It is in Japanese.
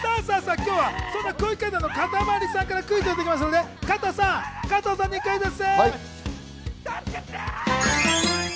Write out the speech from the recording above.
今日はそんな空気階段のかたまりさんからクイズをいただきましたので、加藤さんにクイズッス。